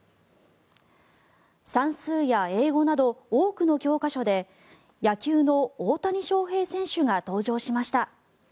算数や英語など多くの教科書で野球の大谷翔平選手が登場しました。